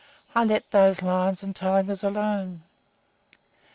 I let those lions and tigers alone.